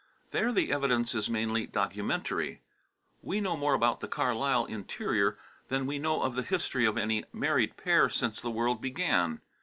There the evidence is mainly documentary. We know more about the Carlyle interior than we know of the history of any married pair since the world began.